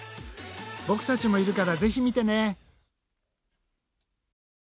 ボクたちもいるからぜひ見てね。